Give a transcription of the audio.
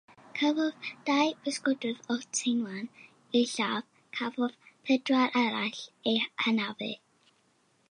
Cafodd dau bysgotwr o Taiwan eu lladd; cafodd pedwar arall eu hanafu.